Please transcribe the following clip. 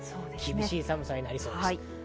厳しい寒さになりそうです。